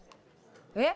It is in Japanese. えっ？